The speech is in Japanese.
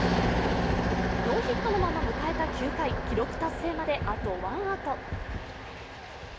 ノーヒットのまま迎えた９回、記録達成まであとワンアウト。